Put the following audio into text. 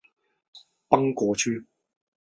已开垦的土地大部分在邦果区。